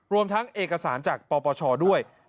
รวมทั้งเอกสารจากปปชด้วย